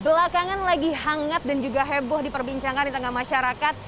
belakangan lagi hangat dan juga heboh diperbincangkan di tengah masyarakat